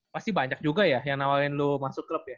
pasti banyak juga ya yang nawarin lu masuk klub ya